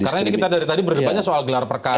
karena ini kita dari tadi berdebatnya soal gelar perkara